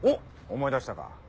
思い出したか。